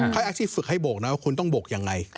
เขาฝึกให้โบกนะว่าคุณต้องโบกยังไง